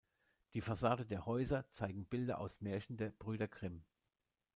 Die Fassaden der Häuser zeigen Bilder aus Märchen der Brüder Grimm.